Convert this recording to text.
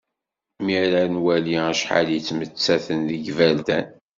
Mi ara nwali acḥal i yettmettaten deg yiberdan.